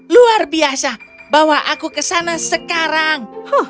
luar biasa bawa aku ke sana sekarang